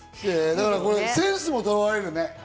センスも問われるね。